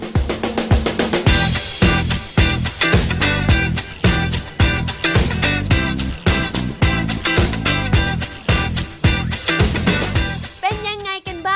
วันนี้ขอบคุณพี่อมนต์มากเลยนะครับ